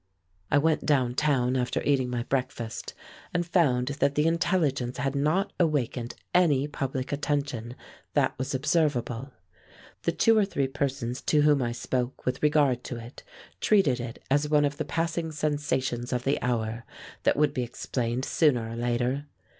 I went down town after eating my breakfast and found that the intelligence had not awakened any public attention that was observable. The two or three persons to whom I spoke with regard to it treated it as one of the passing sensations of the hour that would be explained sooner or later.